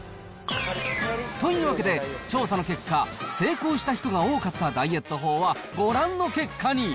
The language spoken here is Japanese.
というわけで、調査の結果、成功した人が多かったダイエット法はご覧の結果に。